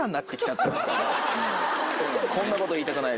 こんなこと言いたくないですけど。